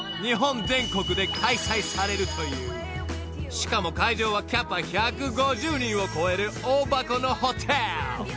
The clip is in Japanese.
［しかも会場はキャパ１５０人を超える大箱のホテル］